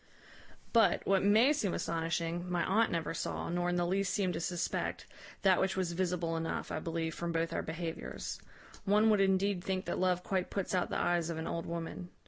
"But, what may seem astonishing, my aunt never saw, nor in the least seemed to suspect, that which was visible enough, I believe, from both our behaviours. One would indeed think that love quite puts out the eyes of an old woman.